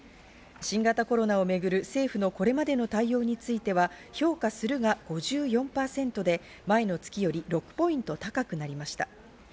新型コロナをめぐる政府のこれまでの対応については、評価するが５４％で前の月より６ポイント高くなりました。